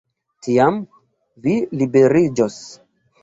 Tiam vi liberiĝos.